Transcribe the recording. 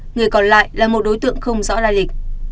người còn lại là một đối tượng không rõ lai lịch